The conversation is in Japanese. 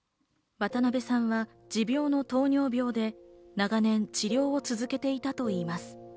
渡辺さんは持病の糖尿病で長年、治療を続けていたといいます。